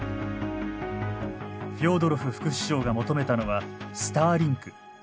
フョードロフ副首相が求めたのはスターリンク。